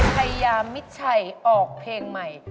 พยายามมิชชัยออกเพลงใหม่